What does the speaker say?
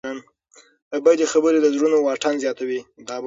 بدې خبرې د زړونو واټن زیاتوي.